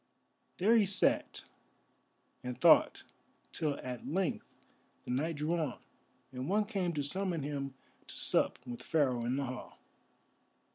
There he sat and thought till at length the night drew on, and one came to summon him to sup with Pharaoh in the Hall.